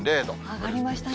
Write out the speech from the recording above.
上がりましたね。